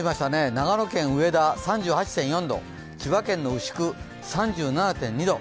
長野県上田３８．４度、千葉県牛久、３７．２度。